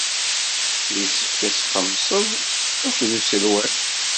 Yessefk ad xemmseɣ akked Uselway.